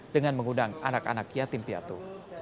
dengan mengundang anak anak yatim piatu